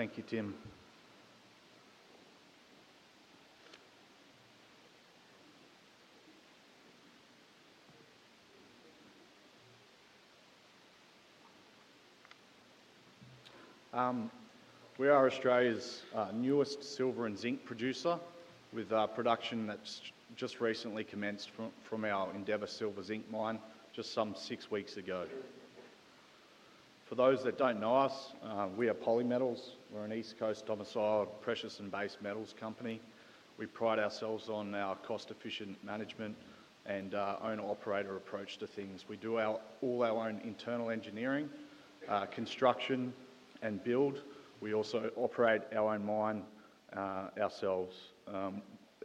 Thank you, Tim. We are Australia's newest silver and zinc producer, with production that's just recently commenced from our Endeavour Silver Zinc Mine, just some six weeks ago. For those that don't know us, we are Polymetals. We're an East Coast-domiciled precious and base metals company. We pride ourselves on our cost-efficient management and our owner-operator approach to things. We do all our own internal engineering, construction, and build. We also operate our own mine ourselves.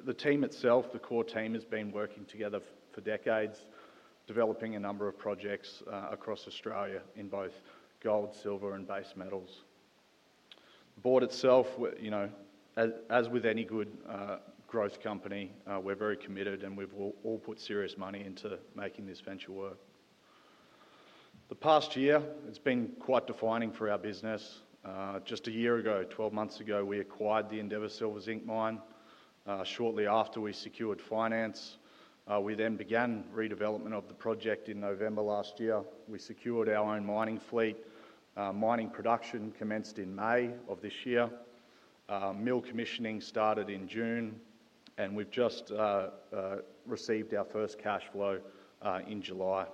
The team itself, the core team, has been working together for decades, developing a number of projects across Australia in both gold, silver, and base metals. The board itself, as with any good growth company, we're very committed and we've all put serious money into making this venture work. The past year has been quite defining for our business. Just a year ago, 12 months ago, we acquired the Endeavour Silver Zinc Mine. Shortly after, we secured finance. We then began redevelopment of the project in November last year. We secured our own mining fleet. Mining production commenced in May of this year. Mill commissioning started in June, and we've just received our first cash flow in July.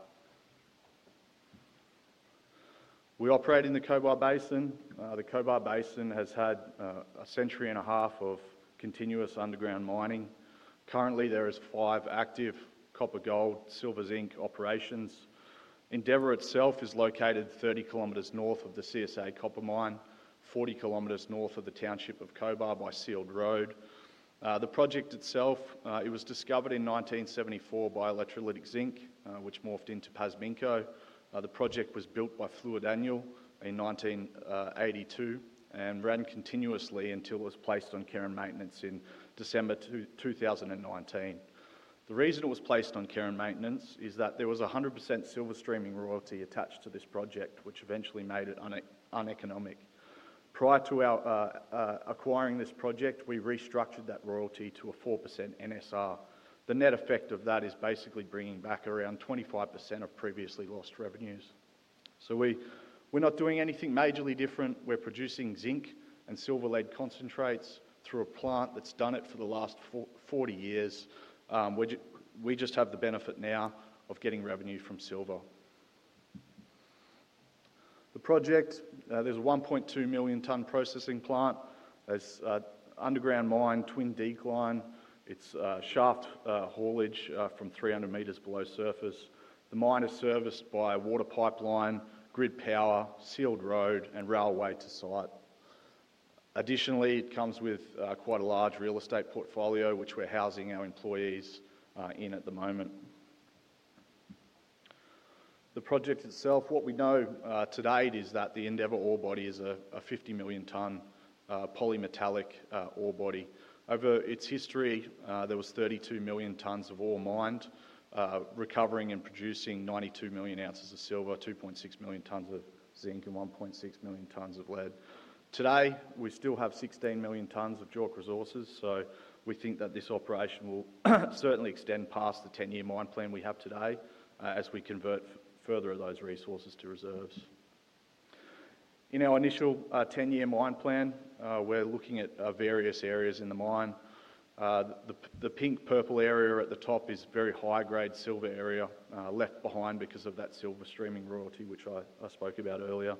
We operate in the Cobar Basin. The Cobar Basin has had a century and a half of continuous underground mining. Currently, there are five active copper, gold, and silver zinc operations. Endeavour itself is located 30 km North of the CSA Copper Mine, 40 km North of the township of Cobar by sealed road. The project itself, it was discovered in 1974 by Electrolytic Zinc, which morphed into Pasminco. The project was built by Fluor Daniel in 1982 and ran continuously until it was placed on care and maintenance in December 2019. The reason it was placed on care and maintenance is that there was a 100% silver streaming royalty attached to this project, which eventually made it uneconomic. Prior to our acquiring this project, we restructured that royalty to a 4% NSR. The net effect of that is basically bringing back around 25% of previously lost revenues. We're not doing anything majorly different. We're producing zinc and silver lead concentrates through a plant that's done it for the last 40 years. We just have the benefit now of getting revenue from silver. The project, there's a 1.2 million-ton processing plant. There's an underground mine, Twin Deak mine. It's shaft haulage from 300 m below surface. The mine is serviced by a water pipeline, grid power, sealed road, and railway to site. Additionally, it comes with quite a large real estate portfolio, which we're housing our employees in at the moment. The project itself, what we know to date is that the Endeavour ore body is a 50 million-ton polymetallic ore body. Over its history, there were 32 million tons of ore mined, recovering and producing 92 million ounces of silver, 2.6 million tons of zinc, and 1.6 million tons of lead. Today, we still have 16 million tons of joint resources. We think that this operation will certainly extend past the 10-year mine plan we have today as we convert further of those resources to reserves. In our initial 10-year mine plan, we're looking at various areas in the mine. The pink-purple area at the top is a very high-grade silver area left behind because of that silver streaming royalty, which I spoke about earlier.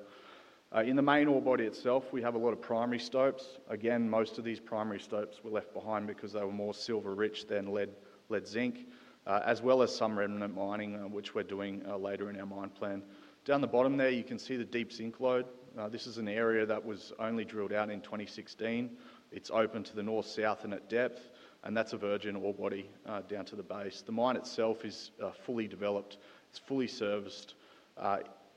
In the main ore body itself, we have a lot of primary stopes. Most of these primary stopes were left behind because they were more silver-rich than lead zinc, as well as some remnant mining, which we're doing later in our mine plan. Down the bottom there, you can see the deep zinc lode. This is an area that was only drilled out in 2016. It's open to the North-south and at depth, and that's a virgin ore body down to the base. The mine itself is fully developed. It's fully serviced.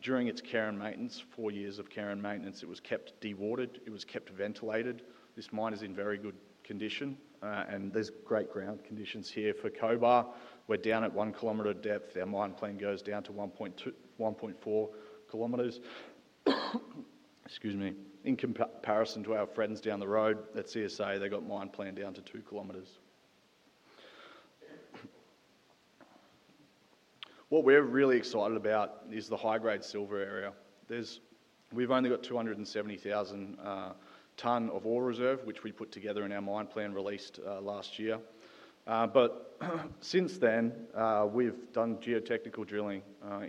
During its current maintenance, four years of current maintenance, it was kept dewatered. It was kept ventilated. This mine is in very good condition, and there's great ground conditions here for Cobar. We're down at 1 km depth. Our mine plan goes down to 1.4 km. Excuse me. In comparison to our friends down the road at CSA, they got mine plan down to 2 km. What we're really excited about is the high-grade silver area. We've only got 270,000 tons of ore reserve, which we put together in our mine plan released last year. Since then, we've done geotechnical drilling.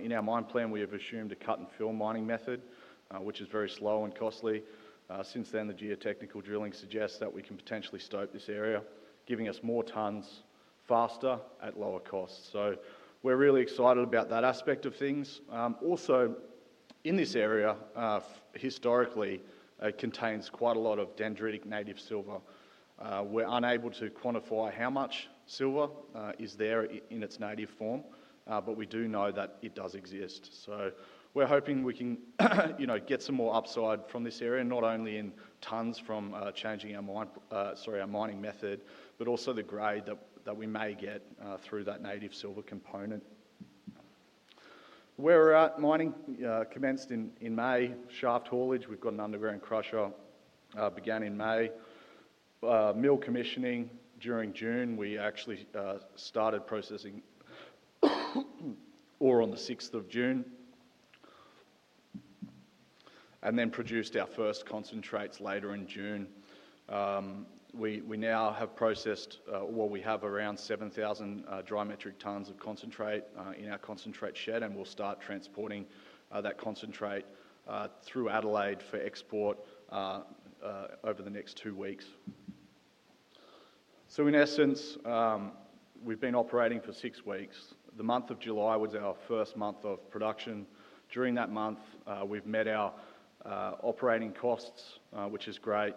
In our mine plan, we have assumed a cut-and-fill mining method, which is very slow and costly. Since then, the geotechnical drilling suggests that we can potentially stope this area, giving us more tons faster at lower costs. We're really excited about that aspect of things. Also, in this area, historically, it contains quite a lot of dendritic native silver. We're unable to quantify how much silver is there in its native form, but we do know that it does exist. We're hoping we can get some more upside from this area, not only in tonnes from changing our mining method, but also the grade that we may get through that native silver component. Our mining commenced in May, shaft haulage, we've got an underground crusher, began in May. Mill commissioning during June, we actually started processing ore on June 6 and then produced our first concentrates later in June. We now have processed, well, we have around 7,000 dry metric tonnes of concentrate in our concentrate shed, and we'll start transporting that concentrate through Adelaide for export over the next two weeks. In essence, we've been operating for six weeks. The month of July was our first month of production. During that month, we've met our operating costs, which is great.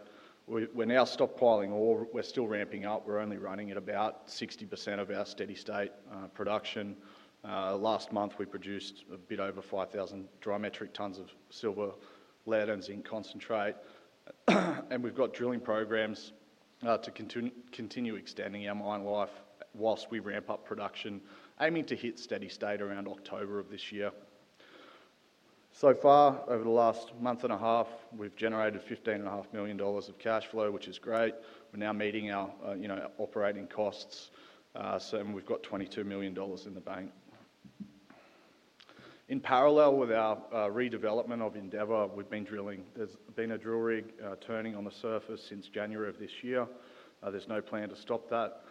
We're now stockpiling ore. We're still ramping up. We're only running at about 60% of our steady-state capacity. Last month, we produced a bit over 5,000 dry metric tonnes of silver, lead, and zinc concentrate. We've got drilling programs to continue extending our mine life whilst we ramp up production, aiming to hit steady-state capacity around October of this year. Over the last month and a half, we've generated $15.5 million of cash flow, which is great. We're now meeting our operating costs. We've got $22 million in the bank. In parallel with our redevelopment of the Endeavour, we've been drilling. There's been a drill rig turning on the surface since January of this year. There's no plan to stop that.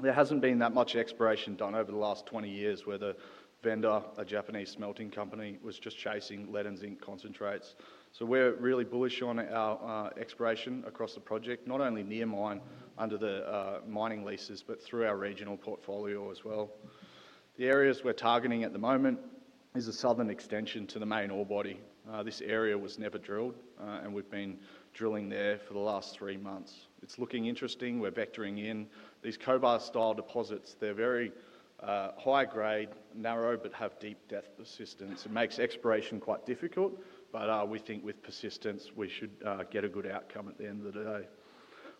There hasn't been that much exploration done over the last 20 years where the vendor, a Japanese smelting company, was just chasing lead and zinc concentrates. We're really bullish on our exploration across the project, not only near mine under the mining leases, but through our regional portfolio as well. The areas we're targeting at the moment are a southern extension to the main ore body. This area was never drilled, and we've been drilling there for the last three months. It's looking interesting. We're vectoring in these Cobar-style deposits. They're very high grade, narrow, but have deep depth persistence. It makes exploration quite difficult, but we think with persistence, we should get a good outcome at the end of the day.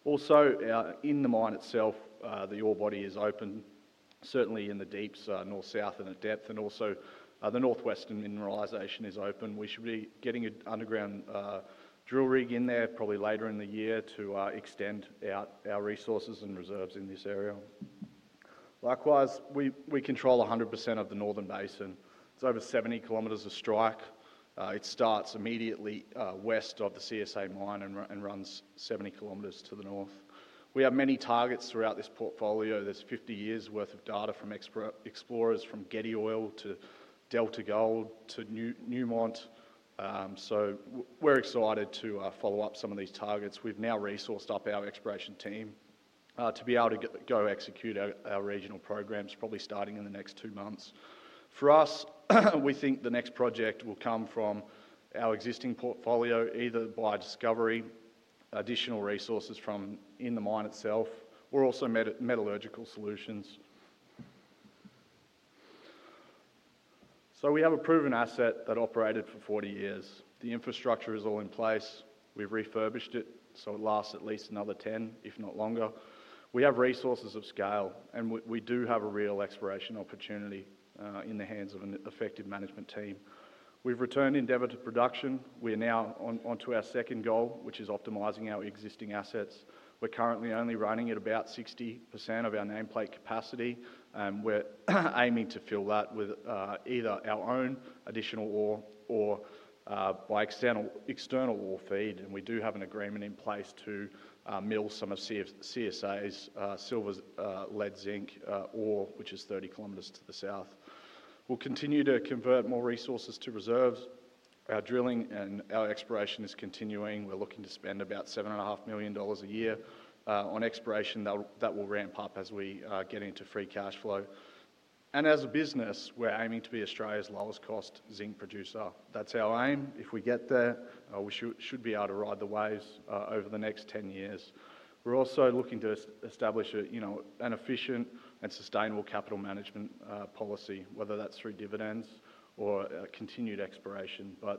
Also, in the mine itself, the ore body is open, certainly in the deeps north-south and at depth, and also the northwestern mineralization is open. We should be getting an underground drill rig in there probably later in the year to extend out our resources and reserves in this area. Likewise, we control 100% of the Northern basin. It's over 70 km of strike. It starts immediately West of the CSA Mine and runs 70 km to the North. We have many targets throughout this portfolio. There's 50 years' worth of data from explorers from Getty Oil to Delta Gold to Newmont. We're excited to follow up some of these targets. We've now resourced up our exploration team to be able to go execute our regional programs, probably starting in the next two months. For us, we think the next project will come from our existing portfolio, either by discovery, additional resources from in the mine itself, or also metallurgical solutions. We have a proven asset that operated for 40 years. The infrastructure is all in place. We've refurbished it so it lasts at least another 10, if not longer. We have resources of scale, and we do have a real exploration opportunity in the hands of an effective management team. We've returned Endeavour to production. We are now onto our second goal, which is optimizing our existing assets. We're currently only running at about 60% of our nameplate capacity, and we're aiming to fill that with either our own additional ore or by external ore feed. We do have an agreement in place to mill some of CSA's silver lead zinc ore, which is 30 km to the South. We'll continue to convert more resources to reserves. Our drilling and our exploration is continuing. We're looking to spend about $7.5 million a year on exploration. That will ramp up as we get into free cash flow. As a business, we're aiming to be Australia's lowest cost zinc producer. That's our aim. If we get there, we should be able to ride the waves over the next 10 years. We're also looking to establish an efficient and sustainable capital management policy, whether that's through dividends or continued exploration. What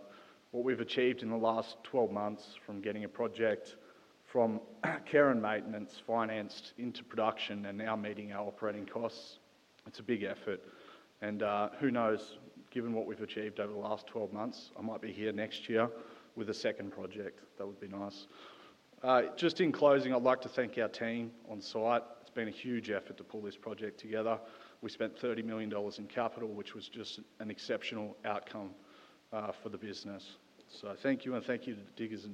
we've achieved in the last 12 months from getting a project from current maintenance financed into production and now meeting our operating costs, it's a big effort. Who knows, given what we've achieved over the last 12 months, I might be here next year with a second project. That would be nice. Just in closing, I'd like to thank our team on site. It's been a huge effort to pull this project together. We spent $30 million in capital, which was just an exceptional outcome for the business. Thank you, and thank you to Diggers and.